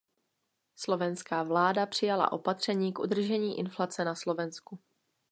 Slovenská vláda přijala opatření k udržení inflace na Slovensku.